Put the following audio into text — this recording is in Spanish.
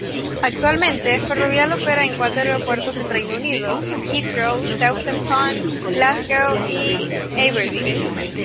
Actualmente, Ferrovial opera cuatro aeropuertos en Reino Unido: Heathrow, Southampton, Glasgow y Aberdeen.